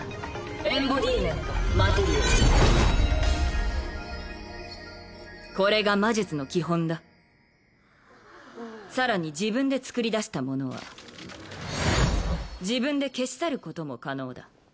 エンボディメントマテリアルこれが魔術の基本ださらに自分で作り出したものは自分で消し去ることも可能だ